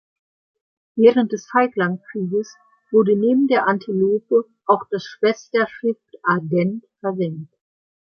Während des Falklandkrieges wurde neben der "Antelope" auch das Schwesterschiff "Ardent" versenkt.